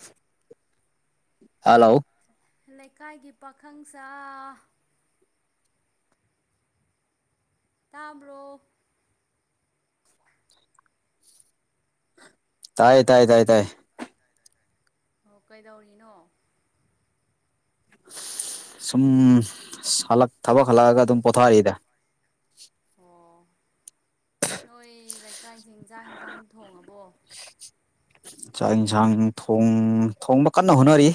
[unintelligible] hello ꯂꯩꯀꯥꯏꯒꯤ ꯄꯥꯈꯪ ꯁꯥ ꯇꯥꯕ꯭ꯔꯣ ꯇꯥꯌꯦ ꯇꯥꯌꯦ ꯇꯥꯌꯦ ꯇꯥꯌꯦ ꯑꯣ ꯀꯩꯗꯧꯔꯤꯅꯣ ꯁꯨꯝ ꯁꯥꯂꯛ ꯊꯕꯛ ꯍꯜꯂꯛꯑꯒ ꯑꯗꯨꯝ ꯄꯣꯊꯥꯔꯤꯗ ꯑꯣ ꯅꯣꯏ ꯂꯩꯀꯥꯏꯁꯤꯡ ꯆꯥꯛ ꯍꯤꯟꯖꯥꯡ ꯊꯣꯡꯉꯕ [unintelligible] ꯆꯥꯛ ꯏꯟꯁꯥꯡ ꯊꯣꯡ ꯊꯣꯡꯕ ꯀꯟꯅ ꯍꯣꯠꯅꯔꯤ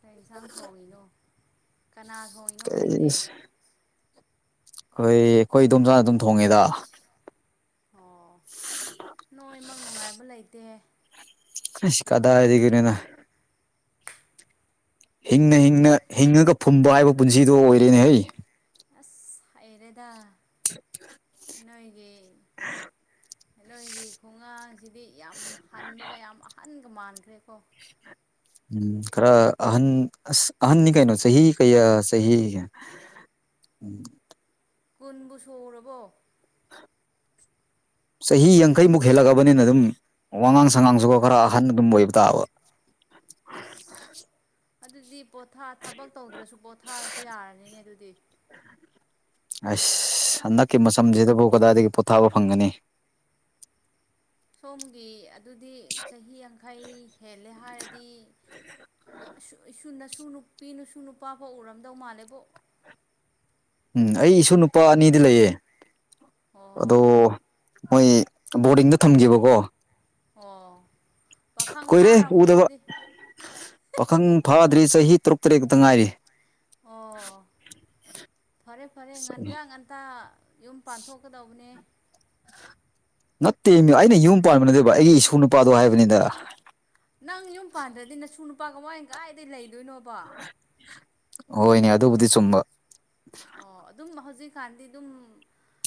ꯀꯩ ꯏꯟꯁꯥꯡ ꯊꯣꯡꯉꯤꯅꯣ ꯀꯅꯥ ꯊꯣꯡꯉꯤꯅꯣ ꯍꯧꯖꯤꯛꯇꯤ ꯈꯣꯏꯒꯤ ꯈꯣꯏ ꯏꯗꯣꯝꯆꯥꯅ ꯑꯗꯨꯝ ꯊꯣꯡꯉꯦꯗꯥ ꯑꯣ ꯅꯣꯏꯃꯛ ꯅꯨꯡꯉꯥꯏꯕ ꯂꯩꯇꯦ [unintelligible] ꯀꯗꯥꯢꯗꯒꯤꯅꯦꯗꯥ ꯍꯤꯡꯅ ꯍꯤꯡꯅ ꯍꯤꯡꯉꯒ ꯐꯨꯝꯕ ꯍꯥꯏꯕ ꯄꯨꯟꯁꯤꯗꯣ ꯑꯣꯏꯔꯦꯅꯦ ꯍꯩ ꯑꯁ ꯍꯩꯔꯦꯗꯥ ꯅꯣꯏꯒꯤ [unintelligible] ꯅꯣꯏꯒꯤ ꯈꯨꯉꯥꯡꯁꯤꯗꯤ ꯌꯥꯝ ꯍꯟꯕꯒ ꯌꯥꯝ ꯑꯍꯟꯒ ꯃꯥꯟꯈ꯭ꯔꯦꯀꯣ ꯎꯝ ꯈꯔ ꯑꯍꯟ ꯑꯁ ꯑꯍꯟꯅꯤ ꯀꯩꯅꯣ ꯆꯍꯤ ꯀꯌꯥ ꯆꯍꯤ ꯎꯝ [unintelligible] ꯀꯨꯟꯕꯨ ꯁꯨꯔꯕꯣ ꯆꯍꯤ ꯌꯥꯡꯈꯩꯃꯨꯛ ꯍꯦꯜꯂꯛꯑꯕꯅꯤꯅ ꯗꯨꯝ ꯋꯥꯉꯥꯡ ꯁꯉꯥꯡꯁꯨꯒꯣ ꯈꯔ ꯑꯍꯟꯅ ꯑꯗꯨꯝ ꯑꯣꯏꯕ ꯇꯥꯕ ꯑꯁ ꯑꯗꯨꯗꯤ ꯄꯣꯊꯥ ꯊꯕꯛ ꯇꯧꯗ꯭ꯔꯁꯨ ꯄꯣꯊꯥꯔꯁꯨ ꯌꯥꯔꯅꯤꯅꯦ ꯑꯗꯨꯗꯤ ꯍꯩꯁ ꯍꯟꯗꯛꯀꯤ ꯃꯁꯝꯖꯤꯗꯕꯨ ꯀꯗꯥꯏꯗꯒꯤ ꯄꯣꯊꯥꯕ ꯐꯪꯒꯅꯤ [inaudible] ꯁꯣꯝꯒꯤ ꯑꯗꯨꯗꯤ ꯆꯍꯤ ꯌꯥꯡꯈꯩ ꯍꯦꯜꯂꯦ ꯍꯥꯏꯔꯗꯤ ꯏꯁꯨ ꯢꯁꯨ ꯅꯁꯨ ꯅꯨꯄꯤ ꯅꯁꯨ ꯅꯨꯄꯥ ꯐꯧ ꯎꯔꯝꯗꯧ ꯃꯥꯜꯂꯦꯕꯣ ꯎꯝ ꯑꯩ ꯏꯁꯨ ꯅꯨꯄꯥ ꯑꯅꯤꯗꯤ ꯂꯩꯌꯦ ꯑꯗꯣ ꯑꯣ ꯃꯣꯏ ꯕꯣꯔꯗꯤꯡꯗ ꯊꯝꯒꯤꯕꯀꯣ ꯑꯣ ꯄꯥꯈꯪ ꯀꯨꯏꯔꯦ ꯐꯥꯔꯝꯒꯅꯤ ꯎꯗꯕ ꯑꯗꯨꯗꯤ ꯄꯥꯈꯪ ꯐꯥ ꯑꯗꯨꯗꯤ ꯆꯍꯤ ꯇꯔꯨꯛ ꯇ꯭ꯔꯦꯠ ꯈꯇꯪ ꯉꯥꯢꯔꯤ ꯑꯣ ꯐꯔꯦ ꯐꯔꯦ ꯉꯟꯖꯥꯡ ꯉꯟꯇꯥ ꯌꯨꯝ ꯄꯥꯟꯊꯣꯛꯀꯗꯧꯕꯅꯦ ꯅꯠꯇꯦꯃꯤ ꯑꯩꯅ ꯌꯨꯝ ꯄꯥꯟꯕ ꯅꯠꯇꯦꯕ ꯑꯩꯒꯤ ꯏꯁꯨ ꯅꯨꯄꯥꯗꯣ ꯍꯥꯏꯕꯅꯦꯗ ꯅꯪ ꯌꯨꯝ ꯄꯥꯟꯗ꯭ꯔꯗꯤ ꯅꯁꯨ ꯅꯨꯄꯥ ꯀꯃꯥꯢꯟ ꯀꯥꯏꯗꯩ ꯂꯩꯗꯣꯏꯅꯣꯕ ꯍꯣꯏꯅꯦ ꯑꯗꯨꯕꯨꯗꯤ ꯆꯨꯝꯕ ꯑꯣ ꯑꯗꯨꯝ ꯍꯧꯖꯤꯛꯀꯥꯟꯗꯤ ꯑꯗꯨꯝ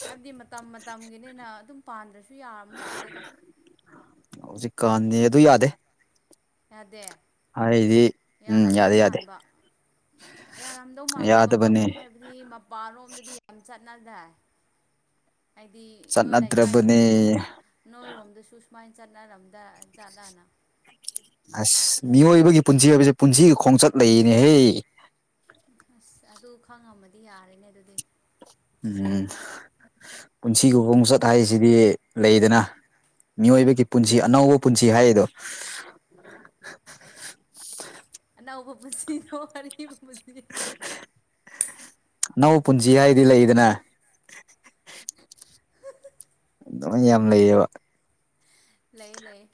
ꯍꯥꯏꯕꯗꯤ ꯃꯇꯝ ꯃꯇꯝꯒꯤꯅꯤꯅ ꯑꯗꯨꯝ ꯄꯥꯟꯗ꯭ꯔꯁꯨ ꯌꯥꯔꯕ ꯃꯥꯜꯂꯦꯗ ꯀꯥꯟꯅꯦ ꯑꯗꯨ ꯌꯥꯗꯦ ꯌꯥꯗꯦ ꯍꯥꯏꯗꯤ ꯎꯝ ꯌꯥꯔꯝꯗꯧ ꯌꯥꯗꯦ ꯌꯥꯗꯦ ꯃꯥꯟꯕ ꯌꯥꯔꯝꯗꯧ ꯃꯥꯟꯕ ꯃꯐꯝ ꯌꯥꯗꯕꯅꯦ ꯍꯥꯏꯕꯗꯤ ꯃꯄꯥꯜꯂꯣꯝꯗꯗꯤ ꯌꯥꯝ ꯆꯠ ꯅꯗꯥꯢ ꯍꯥꯏꯗꯤ ꯅꯣꯏ ꯆꯠꯅꯗ꯭ꯔꯕꯅꯦ ꯂꯩꯀꯥꯏꯗꯁꯨ ꯅꯣꯏꯔꯣꯝꯗꯁꯨ ꯁꯨ ꯃꯥꯏꯟ ꯆꯠꯅꯔꯝꯗꯥꯢ ꯆꯠꯂꯅ ꯑꯁ ꯃꯤꯌꯣꯏꯕꯒꯤ ꯄꯨꯟꯁꯤ ꯍꯥꯏꯕꯖꯦ ꯄꯨꯟꯁꯤꯒꯤ ꯈꯣꯡꯆꯠ ꯂꯩꯌꯦꯅꯦꯍꯦ ꯑꯁ ꯑꯗꯨ ꯈꯪꯉꯝꯃꯗꯤ ꯌꯥꯔꯦꯅꯦ ꯑꯗꯨꯗꯤ ꯎꯝ ꯄꯨꯟꯁꯤꯒꯤ ꯈꯣꯡꯆꯠ ꯍꯥꯏꯁꯤꯗꯤ ꯂꯩꯗꯅꯥ ꯃꯤꯌꯣꯏꯕꯒꯤ ꯄꯨꯟꯁꯤ ꯑꯅꯧꯕ ꯄꯨꯟꯁꯤ ꯍꯥꯏꯔꯤꯗꯣ [inaudible] ꯑꯅꯧꯕ ꯄꯨꯟꯁꯤꯗꯣ ꯋꯥꯔꯤ ꯄꯨꯟꯁꯤ ꯑꯅꯧꯕ ꯄꯨꯟꯁꯤ ꯍꯥꯏꯗꯤ ꯂꯩꯗꯅ ꯑꯗꯨꯝ ꯌꯥꯝ ꯂꯩꯌꯦꯕ ꯂꯩꯌꯦ ꯂꯩꯌꯦ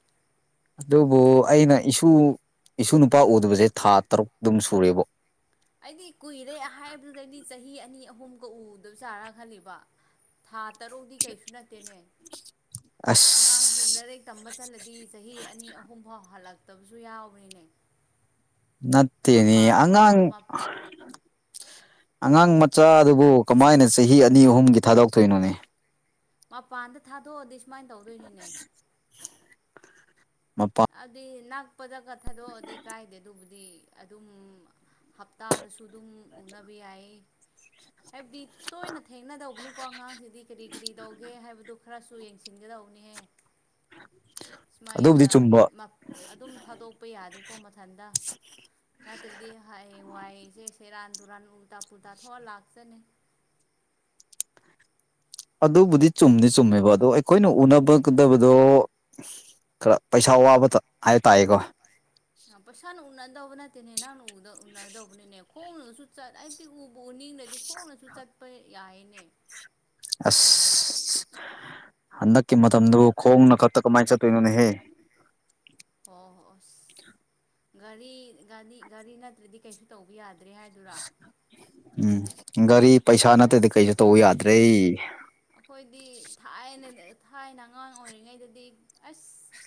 ꯑꯗꯨꯕꯨ ꯑꯩꯅ ꯏꯁꯨ ꯏꯁꯨ ꯅꯨꯄꯥ ꯎꯗꯕꯖꯦ ꯊꯥ ꯇꯔꯨꯛ ꯗꯨꯝ ꯁꯨꯔꯦꯕꯣ ꯑꯩꯗꯤ ꯀꯨꯏꯔꯦ ꯑꯍꯥꯏꯕꯗꯨꯗꯗꯤ ꯆꯍꯤ ꯑ ꯑꯅꯤ ꯑꯍꯨꯝꯒ ꯎꯗꯕ ꯆꯥꯔ ꯈꯜꯂꯤꯕ ꯊꯥ ꯇꯔꯨꯛꯗꯤ ꯀꯩꯁꯨ ꯅꯠꯇꯦꯅꯦ ꯑꯉꯥꯡꯁꯤꯡ ꯑꯁ ꯂꯥꯏꯔꯤꯛ ꯇꯝꯕ ꯆꯠꯂꯗꯤ ꯆꯍꯤ ꯑꯅꯤ ꯑꯍꯨꯝ ꯐꯥꯎ ꯍꯜꯂꯛ ꯇꯕꯁꯨ ꯌꯥꯎꯕꯅꯤꯅꯦ ꯅꯠꯇꯦꯅꯦ ꯃꯄꯥꯟꯂꯣꯝꯗ ꯑꯉꯥꯡ ꯑꯉꯥꯡ ꯃꯆꯥꯗꯨꯕꯨ ꯀꯃꯥꯏꯅ ꯆꯍꯤ ꯑꯅꯤ ꯑꯍꯨꯝꯒꯤ ꯊꯥꯗꯣꯛꯇꯣꯏꯅꯣꯅꯦ ꯃꯄꯥꯟꯗ ꯊꯥꯗꯣꯛꯑꯗꯤ ꯁꯨꯃꯥꯏꯟ ꯇꯧꯗꯣꯏꯅꯤꯅꯦ ꯃꯄꯥ ꯑꯗꯤ ꯅꯛꯄꯗꯒ ꯊꯥꯗꯣꯛꯑꯗꯤ ꯀꯥꯏꯗꯦ ꯑꯗꯨꯕꯨꯗꯤ ꯑꯗꯨꯝ ꯍꯞꯇꯥꯗꯁꯨ ꯑꯗꯨꯝ ꯎꯅꯕ ꯌꯥꯏꯌꯦ ꯍꯥꯏꯕꯗꯤ ꯇꯣꯏꯅ ꯊꯦꯡꯅꯗꯧꯕꯅꯦꯀꯣ ꯑꯉꯥꯡꯁꯤꯗꯤ ꯀꯔꯤ ꯀꯔꯤ ꯗꯧꯒꯦ ꯍꯥꯏꯕꯗꯨ ꯈꯔꯁꯨ ꯌꯦꯡꯁꯤꯟꯒꯗ ꯗꯧꯅꯦꯍꯦ ꯑꯗꯨꯕꯨꯗꯤ ꯁꯨꯃꯥꯏꯅ ꯆꯨꯝꯕ ꯃꯞ ꯑꯗꯨꯝ ꯊꯥꯗꯣꯛꯄ ꯌꯥꯗꯦꯀꯣ ꯃ ꯊꯟꯗ ꯅꯠꯇ꯭ꯔꯗꯤ ꯍꯥꯏ ꯌꯦꯋꯥꯏꯖꯦ ꯁꯦꯔꯥꯟ ꯇꯨꯔꯥꯟ ꯎꯜꯇꯥ ꯄꯨꯜꯇꯥ ꯊꯣꯛꯑ ꯂꯥꯛꯆꯅꯤ ꯑꯗꯨꯕꯨꯗꯤ ꯆꯨꯝꯗꯤ ꯆꯨꯝꯃꯦꯕ ꯑꯗꯣ ꯑꯩꯈꯣꯏꯅ ꯎꯅꯕꯒꯗꯕꯗꯣ ꯈꯔ ꯄꯩꯁꯥ ꯋꯥꯕ ꯍꯥꯏ ꯇꯌꯦꯀꯣ ꯄꯩꯁꯥꯅ ꯎꯅꯗꯧꯕ ꯅꯠꯇꯦꯅꯦ ꯅꯪꯅ ꯎꯗ ꯎꯅꯗꯧꯕꯅꯤꯅꯦ ꯈꯣꯡꯅꯁꯨ ꯆꯠ ꯍꯥꯏꯕꯗꯤ ꯎꯕꯨ ꯎꯅꯤꯡ ꯆꯤꯡꯗꯗꯤ ꯈꯣꯡꯅꯁꯨ ꯆꯠꯄ ꯌꯥꯏꯌꯦꯅꯦ ꯑꯁ ꯍꯟꯗꯛꯀꯤ ꯃꯇꯝꯗꯣ ꯈꯣꯡꯅ ꯀꯛꯇ ꯀꯃꯥꯏꯅ ꯆꯠꯇꯣꯏꯅꯣꯅꯦ ꯍꯦ ꯑꯣ ꯍꯣ ꯑꯁ [inaudible] ꯒꯥꯔꯤ ꯒꯥꯔꯤ ꯒꯥꯔꯤ ꯅꯠꯇ꯭ꯔꯗꯤ ꯀꯩꯁꯨ ꯇꯧꯕ ꯌꯥꯗ꯭ꯔꯦ ꯍꯥꯏꯗꯨꯔꯥ ꯎꯝ ꯒꯥꯔꯤ ꯄꯩꯁꯥ ꯅꯠꯇꯗꯤ ꯑꯁ ꯀꯩꯁꯨ ꯇꯧꯕ ꯌꯥꯗ꯭ꯔꯦ ꯑꯩꯈꯣꯏꯗꯤ ꯊꯥꯏꯅ ꯊꯥꯏꯅ ꯑꯉꯥꯡ ꯑꯣꯏꯔꯤꯉꯩꯗꯗꯤ ꯑꯁ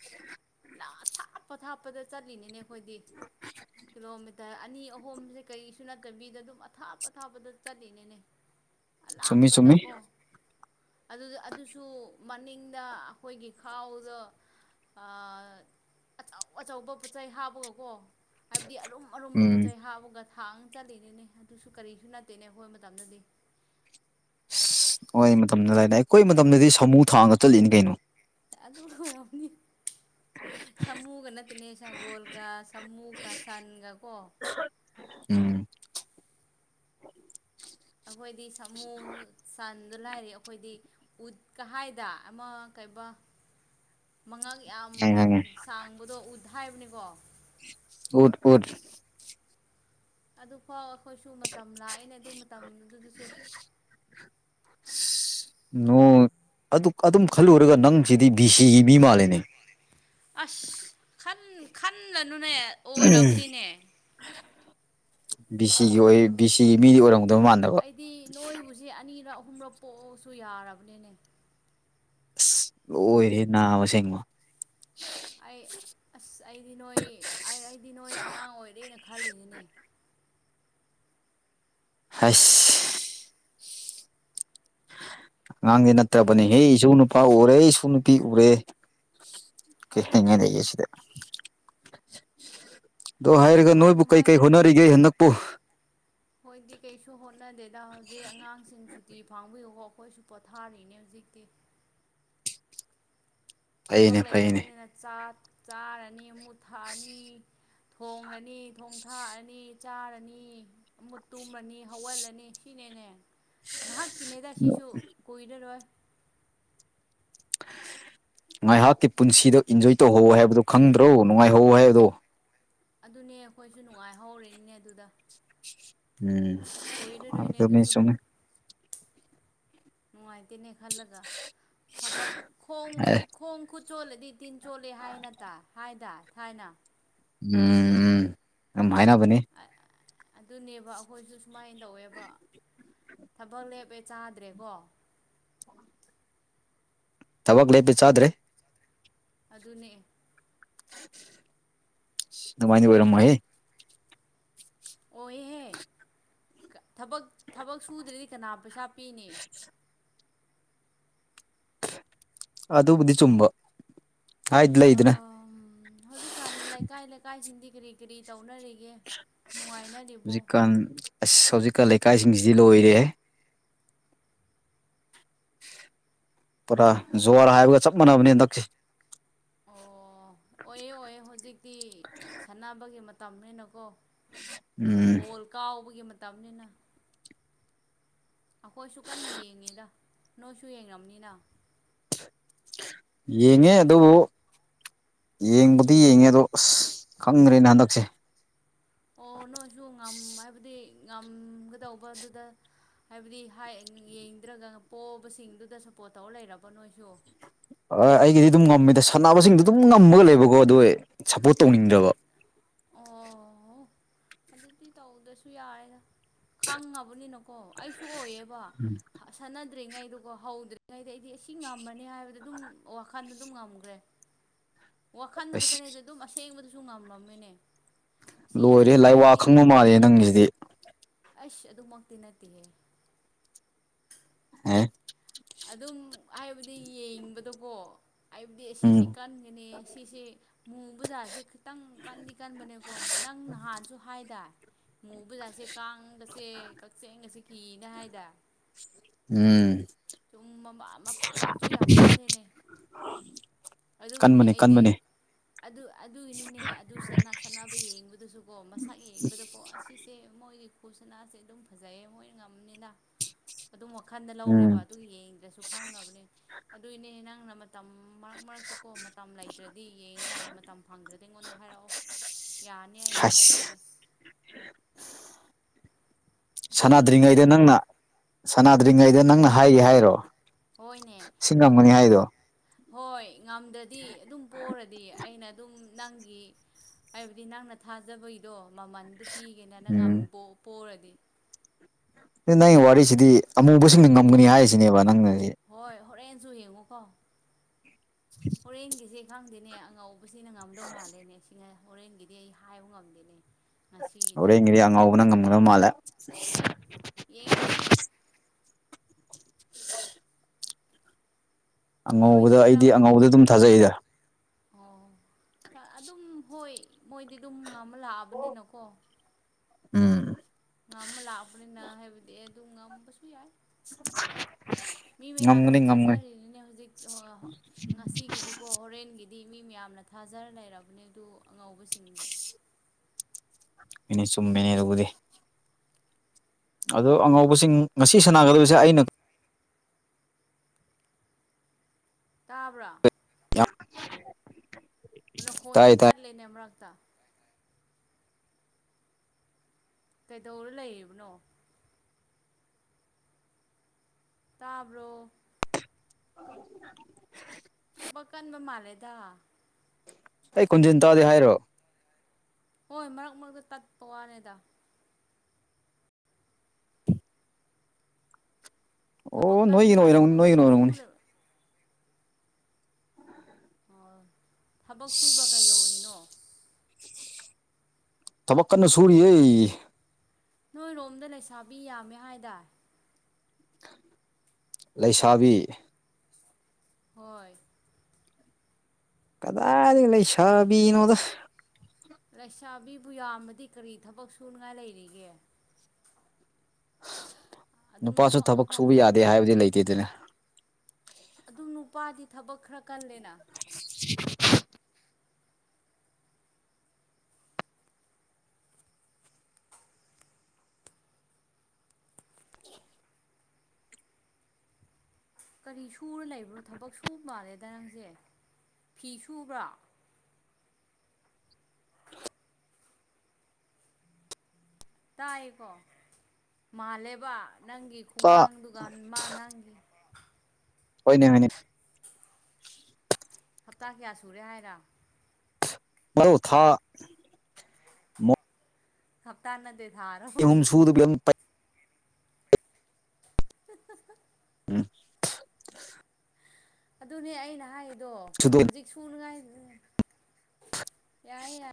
ꯂꯥꯞ ꯊꯥꯞꯄ ꯊꯥꯞꯄꯗ ꯆꯠꯂꯤꯅꯤꯅꯦ ꯑꯩꯈꯣꯏꯗꯤ ꯀꯤꯂꯣ ꯃꯤ ꯇꯔ ꯑꯅꯤ ꯑꯍꯨꯝꯁꯦ ꯀꯔꯤꯁꯨ ꯅꯠꯇꯕꯤꯗ ꯑꯗꯨꯝ ꯑꯊꯥꯞ ꯑꯊꯥꯞꯄꯗꯁꯨ ꯆꯠꯂꯤꯅꯤꯅꯦ ꯆꯨꯝꯃꯤ ꯆꯨꯝꯃꯤ ꯑꯂꯥꯞꯄꯗꯀꯣ ꯑꯗꯨꯗꯨ ꯑꯗꯨꯁꯨ ꯃꯅꯤꯡꯗ ꯑꯩꯈꯣꯏꯒꯤ ꯈꯥꯎꯗꯣ ꯑꯥ ꯑꯥ ꯑꯆꯧ ꯑꯆꯧꯕ ꯄꯣꯠꯆꯩ ꯍꯥꯞꯄꯒꯀꯣ ꯍꯥꯏꯕ ꯗꯤ ꯑꯔꯨꯝ ꯑꯔꯨꯝꯕ ꯎꯝ ꯄꯣꯠꯆꯩ ꯍꯥꯞꯄꯒ ꯊꯥꯡꯉꯥ ꯆꯠꯂꯤꯅꯤꯅꯦ ꯑꯗꯨꯁꯨ ꯀꯔꯤꯁꯨ ꯅꯠꯇꯦꯅꯦ ꯑꯩꯈꯣꯏ ꯃꯇꯝꯗꯗꯤ ꯃꯣꯏ ꯃꯇꯝꯗ ꯂꯩ ꯑꯩꯈꯣꯏ ꯃꯇꯝꯗꯗꯤ ꯁꯃꯨ ꯊꯥꯡꯒ ꯆꯠꯂꯤꯅꯤ ꯀꯩꯅꯣ ꯑꯗꯨꯒ ꯍꯤꯍꯥ ꯑꯣꯏꯔꯝꯅꯤ ꯁꯥꯃꯨꯒꯅ ꯅꯦ ꯁꯒꯣꯜꯒ ꯁꯃꯨ ꯒ ꯁꯟꯒ ꯀꯣ ꯎꯝ ꯑꯩꯈꯣꯏꯗꯤ ꯁꯥꯃꯨ ꯁꯟꯗꯣ ꯂꯥꯏꯔꯤ ꯑꯩꯈꯣꯏꯗꯤ ꯎꯠ ꯀꯥ ꯍꯥꯏꯗ ꯑꯃ ꯀꯩꯕ [inaudible] ꯃꯉꯛ ꯌꯥꯝ ꯈꯪꯉꯦ ꯈꯪꯉꯦ ꯁꯥꯡꯕꯗꯣ ꯎꯠ ꯍꯥꯏꯕꯅꯤꯀꯣ ꯎꯠ ꯎꯠ ꯑꯗꯨꯐꯥꯎ ꯑꯩꯈꯣꯏꯁꯨ ꯃꯇꯝ ꯂꯥꯑꯦꯅꯦ ꯑꯗꯨ ꯃꯇꯝ ꯗꯨꯗꯁꯨ ꯏꯁ ꯅꯣ ꯑꯗꯨ ꯑꯗꯨꯝ ꯈꯜꯂꯨꯔꯒ ꯅꯪꯁꯤꯗꯤ ꯕꯤ ꯁꯤ ꯒꯤ ꯃꯤ ꯃꯥꯜꯂꯦꯅꯦ ꯈꯟꯂ ꯅꯨꯅꯦ ꯑꯣꯏꯔꯕꯅꯤꯅꯦ ꯕꯤ ꯁꯤꯒꯤ ꯑꯣꯏ ꯕꯤ ꯁꯤꯒꯤ ꯃꯤꯗꯤ ꯑꯣꯏꯔꯝ ꯑꯩꯗꯤ ꯅꯣꯏꯕꯨꯁꯦ ꯑꯅꯤꯔꯛ ꯑꯍꯨꯝꯔꯛ ꯄꯣꯛꯑꯁꯨ ꯌꯥꯔꯕꯅꯤꯅꯦ ꯑꯁ ꯂꯣꯏꯔꯦ ꯍꯦ ꯅꯥꯕ ꯑꯁꯦꯡꯕ ꯑꯩ ꯑꯁ ꯑꯩꯗꯤ ꯅꯣꯏ ꯑꯩꯗꯤ ꯅꯣꯏ ꯑꯉꯥꯡ ꯑꯣꯏꯔꯦꯅ ꯈꯜꯂꯤꯅꯤꯅꯦ ꯍꯩꯁ ꯑꯉꯥꯡꯗꯤꯦ ꯃꯣꯏ ꯅꯠꯇ꯭ꯔꯕꯅꯦꯍꯦ ꯑꯩꯁꯨ ꯅꯨꯄꯥ ꯎꯔꯦ ꯑꯩꯁꯨ ꯅꯨꯄꯤ ꯎꯔꯦ ꯀꯩ ꯐꯩ ꯍꯥꯅꯤꯡꯉꯥꯏ ꯐꯩ ꯂꯩꯒꯦ ꯐꯩ ꯁꯤꯗꯥ ꯑꯗꯣ ꯍꯥꯏꯔꯒ ꯀꯃꯥꯏ ꯅꯣꯏꯕꯨ ꯀꯩ ꯀꯃꯥꯏ ꯀꯩ ꯍꯣꯠꯅꯔꯤꯒꯦ ꯍꯟꯗꯛꯄꯨ ꯑꯩꯈꯣꯏꯗꯤ ꯀꯩꯁꯨ ꯍꯣꯠꯅꯗꯦꯗ ꯍꯧꯖꯤꯛ ꯑꯉꯥꯡꯁꯤꯡꯁꯨ ꯁꯨꯇꯤ ꯐꯪꯕꯒꯤ ꯍꯣ ꯑꯩꯈꯣꯏꯁꯨ ꯄꯣꯊꯥꯔꯤꯅꯦ ꯍꯧꯖꯤꯛꯇꯤ ꯊꯕꯛ ꯐꯩꯅꯦ ꯐꯩꯅꯦ ꯂꯩꯇꯕꯅꯤꯅ ꯆꯥꯛ ꯆꯥꯔꯅꯤ ꯃꯨꯛ ꯊꯛꯑꯅꯤ ꯊꯣꯡꯔꯅꯤ ꯊꯣꯡ ꯊꯥꯛꯑꯅꯤ ꯆꯥꯔꯅꯤ ꯃꯨꯛ ꯇꯨꯝꯔꯅꯤ ꯍꯧꯒꯠꯂꯅꯤ ꯁꯤꯅꯤ ꯅꯤꯅꯦ ꯉꯥꯏꯍꯥꯛꯀꯤꯅꯤꯗ ꯁꯤꯁꯨ ꯀꯨꯏꯔꯔꯣꯏ ꯉꯥꯏꯍꯥꯛꯀꯤ ꯄꯨꯟꯁꯤꯗ ꯏꯟꯖꯣꯏ ꯇꯧꯍꯧ ꯍꯥꯏꯕꯗꯣ ꯈꯪꯗ꯭ꯔꯣ ꯅꯨꯡꯉꯥꯏꯍꯧ ꯍꯥꯏꯕꯗꯣ ꯑꯗꯨꯅꯦ ꯑꯩꯈꯣꯏꯁꯨ ꯅꯨꯡꯉꯥꯏꯍꯧꯔꯤꯅꯤꯅꯦ ꯑꯗꯨꯗ ꯎꯝ ꯑꯣꯏꯔꯔꯣꯏꯅꯦ ꯑꯗꯨꯁꯨ ꯆꯨꯝꯃꯦ ꯅꯨꯡꯉꯥꯏꯇꯦꯅꯦ ꯈꯜꯂꯒ ꯊꯕꯛ ꯈꯣꯡ ꯑꯦ ꯈꯣꯡ ꯈꯨꯠ ꯆꯣꯠꯂꯗꯤ ꯇꯤꯟ ꯆꯣꯠꯂꯦ ꯍꯥꯏꯅꯠꯇ ꯍꯥꯏꯗ ꯊꯥꯏꯅ ꯎꯝ ꯌꯥꯝ ꯍꯥꯏꯅꯕꯅꯤ ꯑꯗꯨꯅꯦꯕ ꯑꯩꯈꯣꯏꯁꯨ ꯁꯨꯃꯥꯏꯅ ꯇꯧꯋꯦꯕ ꯊꯕꯛ ꯂꯦꯞꯄꯦ ꯆꯥꯗ꯭ꯔꯦꯀꯣ ꯊꯕꯛ ꯂꯦꯞꯄꯦ ꯆꯥꯗ꯭ꯔꯦ ꯑꯗꯨꯅꯦ ꯗꯨꯃꯥꯏꯗꯤ ꯑꯣꯏꯔꯝ ꯃꯣꯢꯍꯦ ꯑꯣꯌꯦꯍꯦ ꯊꯕꯛ ꯊꯕꯛ ꯁꯨꯗ꯭ꯔꯗꯤ ꯀꯅꯥ ꯄꯩꯁꯥ ꯄꯤꯅꯤ ꯑꯗꯨꯕꯨꯗꯤ ꯆꯨꯝꯕ ꯍꯥꯏꯗꯤ ꯂꯩꯗꯅ ꯑꯥ ꯍꯧꯖꯤꯛꯀꯥꯟ ꯂꯩꯀꯥꯏ ꯂꯩꯀꯥꯏꯁꯤꯡꯗꯤ ꯀꯤꯔꯤ ꯀꯤꯔꯤ ꯇꯧꯅꯔꯤꯒꯦ ꯅꯨꯡꯉꯥꯏꯅꯔꯤꯕꯣ ꯍꯧꯖꯤꯛꯀꯥꯟ ꯑꯁ ꯍꯧꯖꯤꯛꯀꯥꯟ ꯂꯩꯀꯥꯏꯁꯤꯡꯁꯤꯗꯤ ꯂꯣꯏꯔꯦꯍꯦ ꯄꯨꯔꯥ ꯖꯨꯋꯥꯔ ꯍꯥꯏꯕꯒ ꯆꯞ ꯃꯥꯟꯅꯕꯅꯦ ꯍꯟꯗꯛꯁꯤ ꯑꯣ ꯑꯣꯏꯌꯦ ꯑꯣꯏꯌꯦ ꯍꯧꯖꯤꯛꯇꯤ ꯁꯥꯟꯅꯕꯒꯤ ꯃꯇꯝꯅꯤꯅꯀꯣ ꯎꯝ ꯕꯣꯜ ꯀꯥꯎꯕꯒꯤ ꯃꯇꯝꯅꯤꯅ ꯑꯩꯈꯣꯏꯁꯨ ꯀꯟꯅ ꯌꯦꯡꯉꯤꯗ ꯅꯣꯏꯁꯨ ꯌꯦꯡꯔꯝꯅꯤꯗ ꯌꯦꯡꯉꯦ ꯑꯗꯨꯕꯨ ꯌꯦꯡꯕꯗꯤ ꯌꯦꯡꯉꯦ ꯑꯗꯣ ꯑꯁ ꯈꯪꯒꯔꯦꯅ ꯍꯟꯗꯛꯁꯦ ꯑꯣ ꯅꯣꯏꯁꯨ ꯉꯝ ꯍꯥꯏꯕꯗꯤ ꯉꯝꯒꯗꯧꯕ ꯗꯨꯗ ꯍꯥꯏꯕꯗꯤ ꯍꯥꯏ ꯌꯦꯡꯗ꯭ꯔꯒ ꯄꯣꯛꯕꯁꯤꯡꯗꯨꯗ ꯁꯞꯄꯣꯠ ꯇꯧ ꯂꯩꯔꯕꯣ ꯅꯣꯏꯁꯨ ꯑꯥ ꯑꯩꯒꯤꯗꯤ ꯑꯗꯨꯝ ꯉꯝꯃꯦꯗ ꯁꯥꯟꯅꯕꯁꯤꯡꯗꯣ ꯑꯗꯨꯝ ꯉꯥꯝꯃꯒ ꯂꯩꯕꯀꯣ ꯑꯗꯨ ꯑꯣꯏ ꯑꯗꯨ ꯑꯣ ꯑꯗꯨꯗꯤ ꯇꯧꯗꯥꯁꯨ ꯌꯥꯔꯦꯗ ꯈꯪꯉꯕꯅꯤꯅꯀꯣ ꯑꯩꯁꯨ ꯑꯣꯏꯌꯦꯕ ꯁꯟꯅ ꯗꯔꯤ ꯉꯩꯗꯥꯀꯣ ꯍꯧꯗꯔꯤꯉꯩꯗꯤ ꯑꯩꯗꯤ ꯑꯁꯤ ꯉꯝꯃꯅꯤ ꯍꯥꯏꯕ ꯑꯗꯨꯝ ꯋꯥꯈꯟ ꯑꯗꯨꯝ ꯉꯝꯈꯔꯦ ꯋꯥꯈꯟꯗ ꯑꯁ ꯈꯠꯇꯅꯤ ꯑꯗꯨ ꯂꯦꯡꯕꯗꯨꯁꯨ ꯉꯝꯃꯝꯃꯤꯅꯦ ꯁꯤ ꯑꯅꯤ ꯂꯣꯏꯔꯦ ꯂꯥꯏꯋꯥ ꯈꯪꯕ ꯃꯥꯜꯂꯦ ꯅꯪꯁꯤꯗꯤ ꯑꯁ ꯑꯗꯨꯃꯛꯇꯤ ꯅꯠꯇꯦꯍꯦ ꯑꯦ ꯑꯗꯨꯝ ꯍꯥꯏꯕꯗꯤ ꯌꯦꯡꯕꯗꯀꯣ ꯍꯥꯏꯕꯗꯤ ꯎꯝ ꯁꯤꯁꯤ ꯀꯟꯒꯅꯤ ꯁꯤꯁꯤ ꯃꯨꯕꯥ ꯖꯥꯠꯁꯦ ꯈꯤꯇꯪ ꯀꯥꯟꯗꯤ ꯀꯟꯕꯅꯦꯀꯣ ꯅꯪ ꯅꯍꯥꯟꯁꯨ ꯍꯥꯏꯗꯥꯢ ꯃꯨꯕꯖꯥꯠꯁꯦ ꯀꯥꯡꯒꯁꯦ ꯀꯛꯆꯦꯡꯒꯁꯦ ꯀꯤꯒ ꯍꯥꯏꯗꯥꯢ ꯎꯝ ꯗꯨꯝ ꯃꯃꯥ ꯃꯄꯥꯡꯒꯜꯁꯨ ꯌꯥꯝ ꯀꯜꯂꯦꯅꯦ ꯑꯗꯨꯒꯤꯅꯤ ꯀꯟꯕꯅꯤ ꯑꯩꯗꯤ ꯀꯟꯕꯅꯤ ꯑꯗꯨ ꯑꯗꯨꯒꯤꯅꯤꯅꯦ ꯑꯗꯨ ꯁꯦꯠꯅ ꯁꯥꯟꯅꯕ ꯌꯦꯡꯕꯗꯁꯨꯀꯣ ꯃꯁꯛ ꯌꯦꯡꯕꯗꯀꯣ ꯑꯁꯤꯁꯦ ꯃꯣꯏꯒꯤ ꯀꯨ ꯁꯅꯥꯁꯦ ꯑꯗꯨꯝ ꯐꯖꯩꯌꯦ ꯃꯣꯏ ꯉꯝꯅꯤꯅ [inaudible] ꯑꯗꯨꯝ ꯋꯥꯈꯟꯗ ꯎꯝ ꯂꯧꯔꯦꯕ ꯑꯗꯨꯒꯤ ꯌꯦꯡꯗ꯭ꯔꯁꯨ ꯈꯪꯉꯕꯅꯦ ꯑꯗꯨꯏꯅꯦ ꯅꯪꯅ ꯃ ꯇꯝ ꯃꯔꯛ ꯃꯔꯛꯇꯀꯣ ꯃꯇꯝ ꯂꯩꯇ꯭ꯔꯗꯤ ꯌꯦꯡꯉꯥꯏꯒ ꯃꯇꯝ ꯐꯪꯗ꯭ꯔꯗꯤ ꯑꯩꯉꯣꯟꯗ ꯍꯥꯏꯔꯛꯑꯣ ꯌꯥꯅꯤ ꯑꯩꯅ ꯍꯥꯏꯁ ꯍꯥꯏꯕꯤꯒꯦ ꯑꯁꯦꯡꯕꯅꯦ ꯁꯥꯅꯥꯗ꯭ꯔꯤꯉꯩꯗ ꯅꯪꯅ ꯁꯥꯅꯥꯗ꯭ꯔꯤꯉꯩꯗ ꯅꯪꯅ ꯍꯥꯏꯒꯦ ꯍꯥꯏꯔꯣ ꯍꯣꯏꯅꯦ ꯁꯤ ꯉꯝꯒꯅꯤ ꯑꯕꯨꯡꯔꯥ ꯍꯥꯏꯗꯣ ꯍꯣꯏ ꯉꯝꯗ꯭ꯔꯗꯤ ꯑꯗꯨꯝ ꯄꯔꯗꯤ ꯑꯩꯅ ꯑꯗꯨꯝ ꯅꯪꯒꯤ ꯍꯥꯏꯕꯗꯤ ꯅꯪꯅ ꯊꯥꯖꯕꯩꯗꯣ ꯃꯃꯟꯗꯨ ꯄꯤꯒꯦꯅ ꯅꯪ ꯎꯝ ꯉꯝꯕꯣ ꯄꯣꯔꯗꯤ ꯗꯨ ꯅꯪꯒꯤ ꯋꯥꯔꯤꯁꯤꯗꯤ ꯑꯃꯨꯕꯁꯤꯡꯅ ꯉꯝꯒꯅꯤ ꯍꯥꯏꯁꯤꯅꯦꯕ ꯅꯪꯅ ꯍꯣꯏ ꯍꯣꯔꯦꯟꯁꯨ ꯌꯦꯡꯉꯨꯀꯣ ꯍꯣꯔꯦꯟꯒꯤꯁꯦ ꯈꯪꯗꯦꯅꯦ ꯑꯉꯧꯕꯁꯤꯅ ꯉꯝꯗꯧ ꯃꯥꯜꯂꯦꯅꯦ ꯁꯤꯥꯉꯥꯢ ꯍꯣꯔꯦꯟꯒꯤꯗꯤ ꯑꯩ ꯍꯥꯏꯕ ꯉꯝꯗꯦꯅꯦ ꯉꯁꯤꯒꯤꯗꯤ ꯑꯣꯔꯦꯡꯒꯤꯗꯤ ꯑꯉꯥꯎꯕꯅ ꯉꯝꯉ ꯃꯥꯜꯂꯦ ꯌꯦꯡꯉꯁꯤ [unintelligible] ꯑꯉꯧꯕꯗꯣ ꯅꯣꯏꯗꯤ ꯑꯩꯗꯤ ꯀꯔꯝ ꯑꯉꯧꯕꯗꯣ ꯑꯗꯨꯝ ꯊꯥꯖꯩꯗ ꯑꯣ ꯊꯥ ꯑꯗꯨꯝ ꯍꯣꯏ ꯃꯣꯏꯗꯤ ꯑꯗꯨꯝ ꯉꯝꯃ ꯂꯥꯛꯑꯕꯅꯤꯅꯀꯣ ꯎꯝ ꯉꯝꯃ ꯂꯥꯛꯄꯅꯤꯅ ꯍꯥꯏꯕꯗꯤ ꯑꯗꯨꯝ ꯉꯝꯕꯁꯨ ꯌꯥꯏ [unintelligible] ꯃꯤ ꯃꯌꯥꯝꯅ ꯉꯝꯒꯅꯤ ꯉꯝꯒꯅꯤ ꯊꯥꯖꯔꯤꯅꯤꯅꯦ ꯍꯨꯖꯤꯛ ꯉꯁꯤꯒꯤꯗꯤꯀꯣ ꯍꯣꯔꯦꯟꯒꯤ ꯗꯤ ꯃꯤ ꯃꯌꯥꯝꯅ ꯊꯥꯖꯔ ꯂꯩꯔꯕꯅꯦ ꯑꯗꯨ ꯑꯉꯧꯕꯁꯤꯡꯕꯨ ꯃꯤꯅꯦ ꯆꯨꯝꯃꯦꯅꯦ ꯑꯗꯨꯕꯨꯗꯤ ꯑꯗꯣ ꯑꯉꯧꯕꯁꯤꯡ ꯉꯁꯤ ꯁꯥꯟꯅꯒꯗꯕꯁꯦ ꯑꯩꯅ ꯇꯥꯕ꯭ꯔꯥ ꯌꯥꯝ ꯅꯈꯣꯟꯖꯦ ꯇꯥꯏ ꯇꯥꯏ ꯇꯠꯂꯦꯅꯦ ꯃꯔꯛꯇ ꯀꯩꯗꯧꯔ ꯂꯩꯔꯤꯕꯅꯣ ꯇꯥꯕ꯭ꯔꯣ [unintelligible] ꯊꯕꯛ ꯀꯟꯕ ꯃꯥꯜꯂꯦꯗ ꯑꯩ ꯈꯣꯟꯖꯦꯟ ꯇꯥꯗꯤ ꯍꯥꯏꯔꯣ ꯍꯣꯏ ꯃꯔꯛ ꯃꯔꯛꯇ ꯇꯠꯄ ꯋꯥꯅꯦꯗ ꯊꯕꯛ ꯑꯣ ꯀꯟꯕ ꯅꯣꯏꯒꯤꯅ ꯃꯥꯜꯂꯦꯀꯣ ꯑꯣꯏꯔꯝꯅꯤ ꯅꯣꯏꯒꯤꯅ ꯊꯕꯛ ꯑꯣꯏꯔꯝꯒꯅꯤ ꯁꯨꯔ ꯑꯣ ꯊꯕꯛ ꯁꯨꯕ꯭ꯔꯥ ꯀꯩꯗꯧꯔꯤꯅꯣ ꯊꯕꯛ ꯀꯟꯅ ꯁꯨꯔꯤꯌꯦ ꯅꯣꯏꯔꯣꯝꯗ ꯂꯩꯁꯥꯕꯤ ꯌꯥꯝꯃꯦ ꯍꯥꯏꯗꯥꯢ ꯂꯩꯁꯥꯕꯤ ꯍꯣꯏ ꯀꯗꯥꯢꯗꯒꯤ ꯂꯩꯁꯥꯕꯤꯅꯣꯗ ꯂꯩꯁꯥꯕꯤꯕꯨ ꯌꯥꯝꯃꯗꯤ ꯀꯔꯤ ꯊꯕꯛ ꯁꯨꯅꯤꯉꯥꯏ ꯂꯩꯔꯤꯒꯦ ꯑꯗꯨꯝ ꯅꯨꯄꯥꯁꯨ ꯑꯐꯪ ꯊꯕꯛ ꯁꯨꯕ ꯑꯐꯪꯕꯗꯣ ꯌꯥꯗꯦ ꯍꯥꯏꯕꯗꯤ ꯂꯩꯇꯦꯗꯅ ꯑꯗꯨꯝ ꯅꯨꯄꯥꯗꯤ ꯊꯕꯛ ꯈꯔ ꯀꯜꯂꯦꯅ ꯀꯔꯤ ꯁꯨꯔ ꯂꯩꯕ꯭ꯔꯣ ꯊꯕꯛ ꯁꯨꯕ ꯃꯥꯜꯂꯦꯗ ꯅꯪꯖꯦ ꯐꯤ ꯁꯨꯕ꯭ꯔꯥ ꯇꯥꯏꯌꯦꯀꯣ ꯃꯥꯜꯂꯦꯕ ꯅꯪꯒꯤ ꯅꯨꯄꯥ ꯈꯨꯉꯥꯡꯗꯨꯒ ꯃꯥ ꯅꯪꯒꯤ ꯍꯣꯏꯅꯦ ꯍꯣꯏꯅꯦ ꯍꯞꯇꯥ ꯀꯌꯥ ꯁꯨꯔꯦ ꯍꯥꯏꯔ ꯑꯧ ꯊꯥ ꯃꯣꯏ ꯍꯞꯇꯥ ꯅꯠꯇꯦ ꯊꯥꯔꯣ [unintelligible] [unintelligible] [unintelligible] ꯑꯗꯨꯅꯦ ꯑꯩꯅ ꯍꯥꯏꯔꯤꯗꯣ ꯁꯨꯗꯣꯏ ꯍꯧꯖꯤꯛ ꯁꯨꯅꯨꯉꯥꯏ ꯌꯥꯏ ꯌꯥ